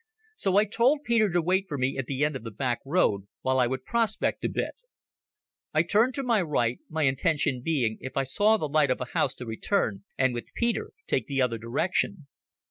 So I told Peter to wait for me at the end of the back road, while I would prospect a bit. I turned to the right, my intention being if I saw the light of a house to return, and with Peter take the other direction.